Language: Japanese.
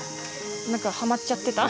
何かハマっちゃってた。